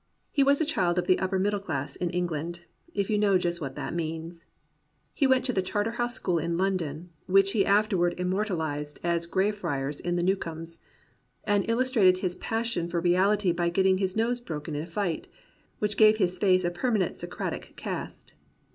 He was a child of the upper middle class in England — if you know just what that means. He went to the Char terhouse School in London (which he afterward immortaKzed as Greyfriars in The Newcomes), and illustrated his passion for reahty by getting his nose broken in a fight, which gave his face a permanent Socratic cast.